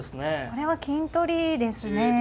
これは金取りですね。